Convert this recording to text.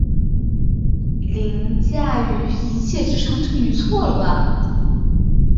凌驾於一切之上